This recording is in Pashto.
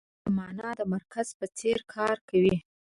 روح د مانا د مرکز په څېر کار کوي.